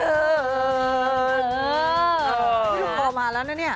นี่ลูกคอมาแล้วนะเนี่ย